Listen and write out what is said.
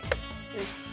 よし。